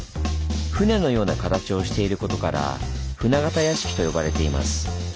舟のような形をしていることから「舟形屋敷」と呼ばれています。